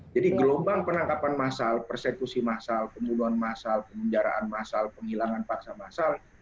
jadi gelombang penangkapan massal persekusi massal pembunuhan massal penjaraan massal penghilangan paksa massal